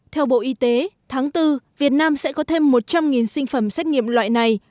theo bộ y tế tháng bốn việt nam sẽ có thêm một trăm linh sinh phẩm xét nghiệm loại này